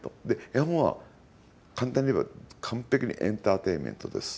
絵本は簡単に言えば完璧にエンターテインメントです。